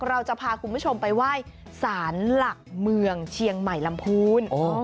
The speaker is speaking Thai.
เราจะพาคุณผู้ชมไปไหว้สารหลักเมืองเชียงใหม่ลำพูน